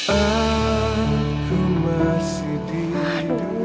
aku mampir ke rumah rena